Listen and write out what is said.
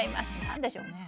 何でしょうね？